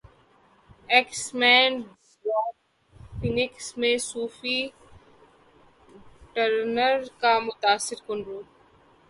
x men dark phoenix میں Sophie Turner کا متاثر کن روپ